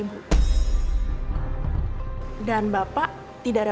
tapi barusan memang ada anak lo yang bernama nathan